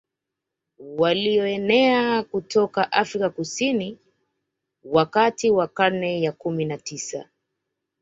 Walioenea kutoka Afrika Kusini wakati wa karne ya kumi na tisa